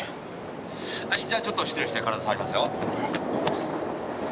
はいじゃあちょっと失礼して体触りますよ。